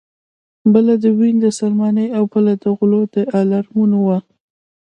بله د وین د سلماني او بله د غلو د الارمونو وه